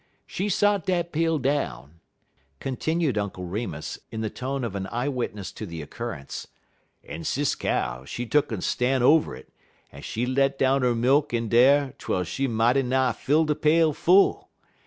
She sot dat pail down," continued Uncle Remus, in the tone of an eye witness to the occurrence, "en Sis Cow, she tuck 'er stan' over it, en she let down 'er milk in dar twel she mighty nigh fill de pail full.